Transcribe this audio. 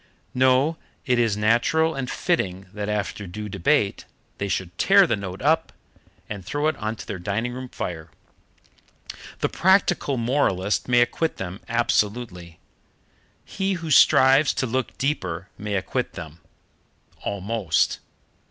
No; it is natural and fitting that after due debate they should tear the note up and throw it on to their dining room fire. The practical moralist may acquit them absolutely. He who strives to look deeper may acquit them almost.